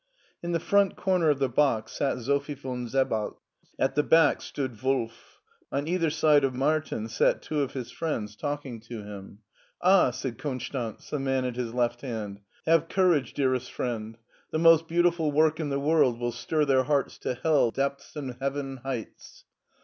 In the front comer of the box sat Sophie von Se baltz, at the back stood Wdf ; on either side of Martin sat two of his friends talking to him. 308 SCHWARZWALD 309 Ah/' said Konstanz, the man at his left hand, have courage, dearest friend. The most beautiful work in the world will stir their hearts to hell depths and heaven heights."